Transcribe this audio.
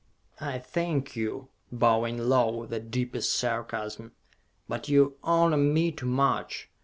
"I thank you," bowing low, with the deepest sarcasm, "but you honor me too much!